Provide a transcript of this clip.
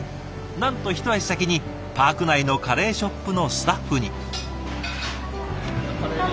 なんと一足先にパーク内のカレーショップのスタッフに。